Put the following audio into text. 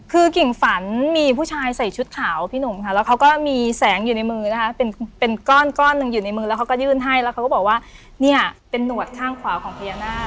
คือกิ่งฝันมีผู้ชายใส่ชุดขาวพี่หนุ่มค่ะแล้วเขาก็มีแสงอยู่ในมือนะคะเป็นก้อนก้อนหนึ่งอยู่ในมือแล้วเขาก็ยื่นให้แล้วเขาก็บอกว่าเนี่ยเป็นหนวดข้างขวาของพญานาค